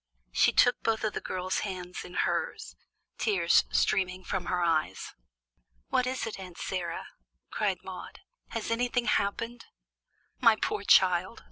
She took both of the girl's hands in hers, tears streaming from her eyes. "What is it, Aunt Sarah?" cried Maude. "Has anything happened?" "My poor child!